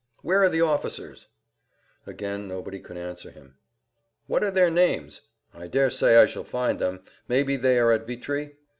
"Where are the officers?" Again nobody could answer him. "What are their names? I daresay I shall find them. Maybe they are at Vitry?"